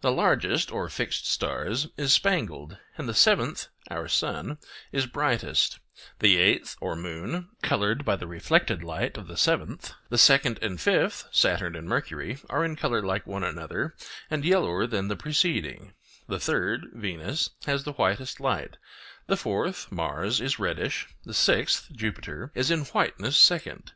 The largest (or fixed stars) is spangled, and the seventh (or sun) is brightest; the eighth (or moon) coloured by the reflected light of the seventh; the second and fifth (Saturn and Mercury) are in colour like one another, and yellower than the preceding; the third (Venus) has the whitest light; the fourth (Mars) is reddish; the sixth (Jupiter) is in whiteness second.